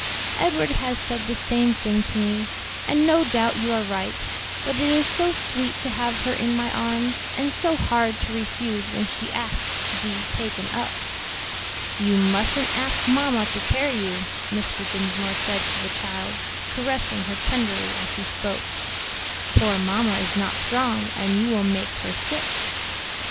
Edward has said the same thing to me, and no doubt you are right; but it is so sweet to have her in my arms, and so hard to refuse when she asks to be taken up." "You mustn't ask mamma to carry you," Mr. Dinsmore said to the child, caressing her tenderly as he spoke; "poor mamma is not strong, and you will make her sick."